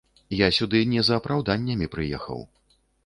Я сюды не за апраўданнямі прыехаў.